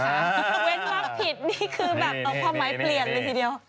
เว้นความผิดนี่คือแบบเอาความหมายเปลี่ยนเลยทีเดียว